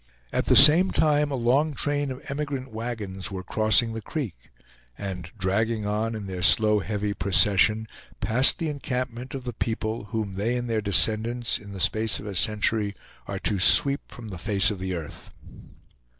At the same time a long train of emigrant wagons were crossing the creek, and dragging on in their slow, heavy procession, passed the encampment of the people whom they and their descendants, in the space of a century, are to sweep from the face of the earth.